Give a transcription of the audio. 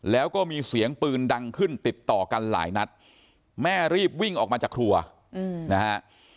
แล้วก็มีเสียงปืนดังขึ้นติดต่อกันหลายนัดแม่รีบวิ่งออกมาจากครัวนะฮะ